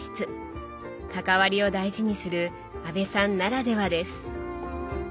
「関わり」を大事にする阿部さんならではです。